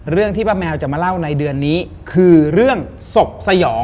ที่ป้าแมวจะมาเล่าในเดือนนี้คือเรื่องศพสยอง